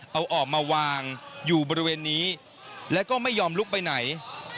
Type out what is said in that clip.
เอาออกมาวางอยู่บริเวณนี้แล้วก็ไม่ยอมลุกไปไหน